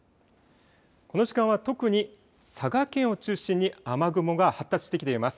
この時間は特に佐賀県を中心に雨雲が発達してきています。